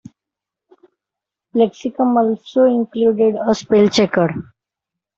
Lexicon also included a spell checker.